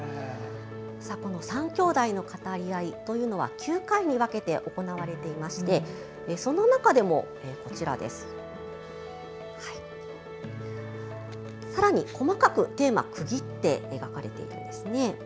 ３兄弟の語り合いは９回に分けて行われていまして、その中でもさらに細かくテーマが区切って書かれているんですね。